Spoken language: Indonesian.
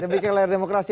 demikian layar demokrasi